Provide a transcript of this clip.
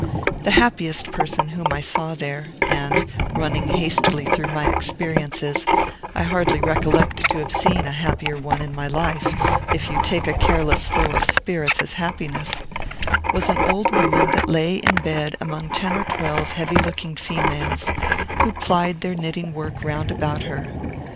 The happiest person whom I saw there (and, running hastily through my experiences, I hardly recollect to have seen a happier one in my life, if you take a careless flow of spirits as happiness) was an old woman that lay in bed among ten or twelve heavy looking females, who plied their knitting work round about her.